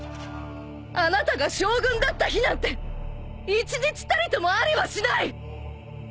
あなたが将軍だった日なんて一日たりともありはしない！